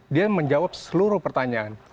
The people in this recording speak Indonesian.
dia menjawab seluruh pertanyaan